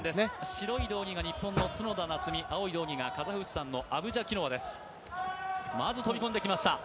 白い道着が日本の角田夏実、青い道着がカザフスタンのアブジャキノワです。